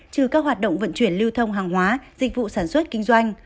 trừ các hoạt động vận chuyển lưu thông hàng hóa dịch vụ sản xuất kinh doanh